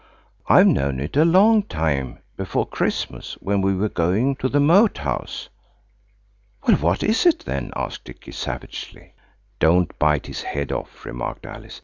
"I've known it a long time–before Christmas, when we were going to the Moat House." "Well, what is it, then?" asked Dicky savagely. "Don't bite his head off," remarked Alice.